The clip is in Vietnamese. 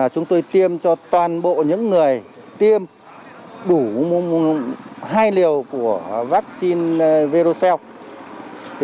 chúng tôi tiêm cho toàn bộ những người tiêm đủ hai liều của vaccine verocell